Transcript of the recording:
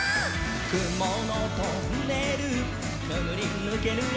「くものトンネルくぐりぬけるよ」